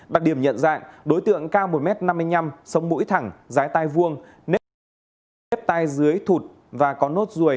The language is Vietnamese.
đặc điểm nhận ra đối tượng cao một m năm mươi năm sống mũi thẳng giái tai vuông nếp tay dưới thụt và có nốt ruồi